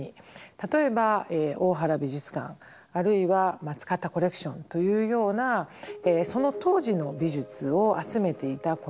例えば大原美術館あるいは松方コレクションというようなその当時の美術を集めていたコレクションもありました。